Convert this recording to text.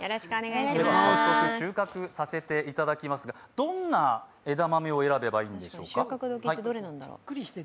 私、収穫させていただきますがどんな枝豆を選べばいいんでしょうか？